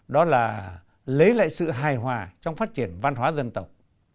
đó là lấy lại sự hài hòa trong phát triển văn hóa dân tộc